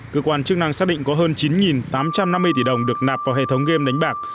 cơ quan chức năng xác định có hơn chín tám trăm năm mươi tỷ đồng được nạp vào hệ thống game đánh bạc